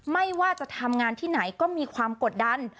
ไม่ว่าจะทำงานที่ไหนก็มีความกดดัน